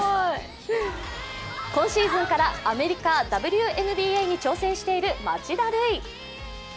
今シーズンからアメリカ・ＷＮＢＡに挑戦している町田瑠唯。